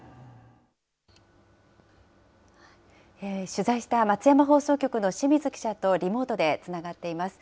取材した松山放送局の清水記者とリモートでつながっています。